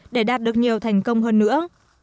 để đạt được nhiều thành công hơn nữa